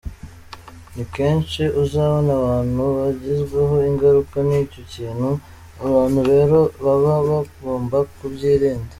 Ni kenshi uzabona abantu bagizweho ingaruka n’icyo kintu, abantu rero baba bagomba kubyirinda .